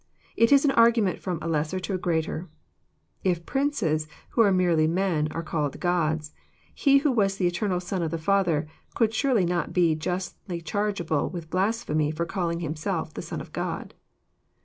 It is an argument from a lesser to a greater. If princes, who are merely men, are called gods. He who was the eternal Son of the Father could surely not be justly chargeable with blasphemy for caUing Himself the " Son of God."